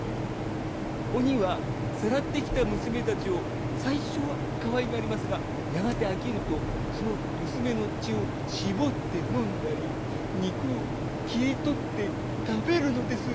鬼はさらってきた娘たちを最初はかわいがりますがやがて飽きるとその娘の血を搾って飲んだり肉を切り取って食べるのです。